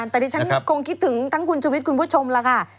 ตอนนี้ฉันคงคิดถึงทั้งคุณชูวิทย์คุณผู้ชมแล้วค่ะ